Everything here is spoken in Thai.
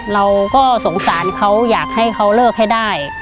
เราก็สงสารเขาอยากให้เขาเลิกให้ได้